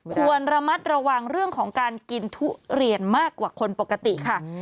ควรระมัดระวังเรื่องของการกินทุเรียนมากกว่าคนปกติค่ะ